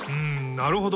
なるほど。